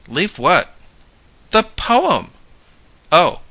"Leave what?" "The poem!" "Oh!"